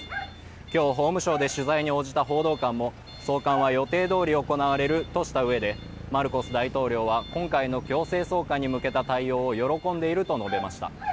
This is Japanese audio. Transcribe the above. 今日、法務省で取材に応じた報道官も送還は予定どおり行われるとしたうえで、マルコス大統領は今回の強制送還に向けた対応を喜んでいると述べました。